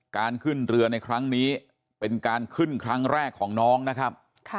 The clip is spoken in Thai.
การขึ้นเรือในครั้งนี้เป็นการขึ้นครั้งแรกของน้องนะครับ